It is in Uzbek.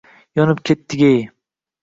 Yonib kettigiy.